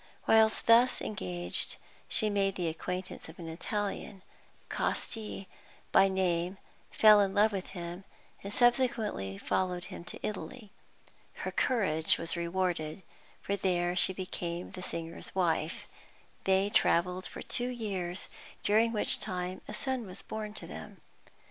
Whilst thus engaged, she made the acquaintance of an Italian, Casti by name, fell in love with him, and subsequently followed him to Italy. Her courage was rewarded, for there she became the singer's wife. They travelled for two years, during which time a son was born to them.